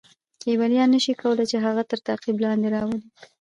کیبلیان نه شي کولای چې هغه تر تعقیب لاندې راولي.